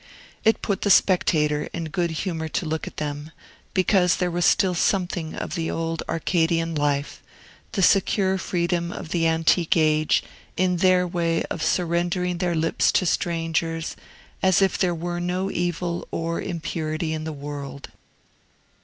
It put the spectator in good humor to look at them, because there was still something of the old Arcadian life, the secure freedom of the antique age, in their way of surrendering their lips to strangers, as if there were no evil or impurity in the world.